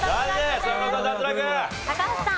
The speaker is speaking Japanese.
高橋さん。